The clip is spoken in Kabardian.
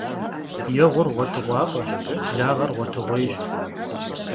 Yêğur ğuetığuaf'eş, blağer ğuetığuêyş.